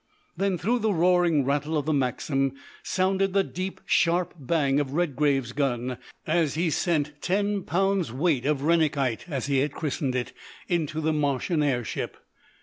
Then through the roaring rattle of the Maxim sounded the deep, sharp bang of Redgrave's gun, as he sent ten pounds weight of Rennickite, as he had christened it, into the Martian air ship.